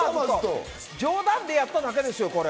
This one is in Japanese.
冗談でやっただけですよ、これ。